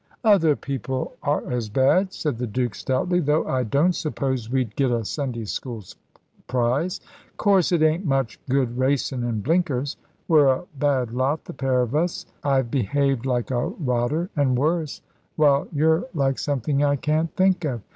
"Other people are as bad," said the Duke, stoutly, "though I don't suppose we'd get a Sunday School prize. 'Course it ain't much good racin' in blinkers. We're a bad lot, the pair of us. I've behaved like a rotter, and worse, while you're like something I can't think of.